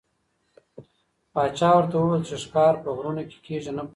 پاچا ورته وویل چې ښکار په غرونو کې کېږي نه په اوبو کې.